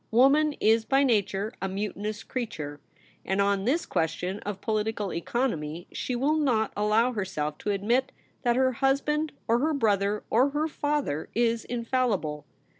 Woman is by nature a mutinous creature, and on this question of political economy she will not allow herself to admit that her husband or her brother or her father is infallible.